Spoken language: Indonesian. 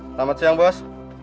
selamat siang bos